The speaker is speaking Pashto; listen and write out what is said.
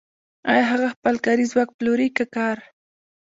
آیا هغه خپل کاري ځواک پلوري که کار